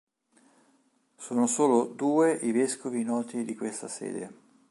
Sono solo due i vescovi noti di questa sede.